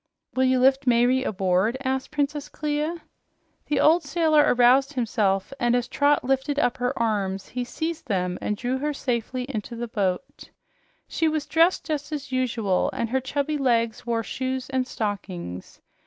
"Will you lift Mayre aboard?" asked Princess Clia. The old sailor aroused himself, and as Trot lifted up her arms, he seized them and drew her safely into the boat. She was dressed just as usual, and her chubby legs wore shoes and stockings.